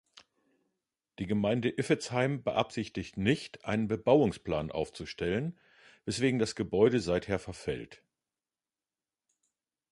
Die Gemeinde Iffezheim beabsichtigt nicht, einen Bebauungsplan aufzustellen, weswegen das Gebäude seither verfällt.